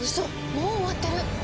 もう終わってる！